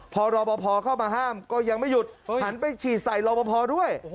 พอรอปภเข้ามาห้ามก็ยังไม่หยุดหันไปฉีดใส่รอปภด้วย